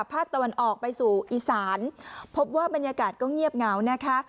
ภาคตะวันออกไปสู่อีสานพบว่าบรรยากาศก็เงียบเหงานะคะ